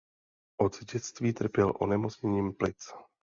Od dětství trpěl onemocněním plic.